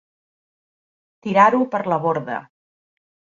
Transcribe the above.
Tirar-ho per la borda.